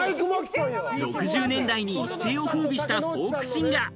６０年代に一世を風靡した、フォークシンガー。